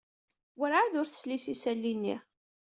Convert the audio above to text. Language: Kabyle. Werɛad ur tesli s yisali-nni.